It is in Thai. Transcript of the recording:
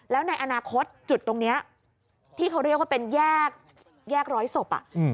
แล้วในอนาคตจุดตรงนี้ที่เขาเรียกว่าเป็นแยกร้อยศพ